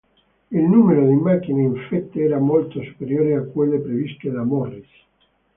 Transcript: Il numero di macchine infette era molto superiore a quelle previste da Morris.